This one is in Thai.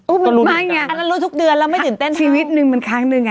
อุ้ยมันมาอย่างเงี้ยอันนั้นรู้ทุกเดือนแล้วไม่ตื่นเต้นทั้งค่ะชีวิตหนึ่งมันครั้งหนึ่งอ่ะ